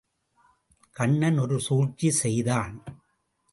கண்ணன் ஒரு சூழ்ச்சி செய்தான்.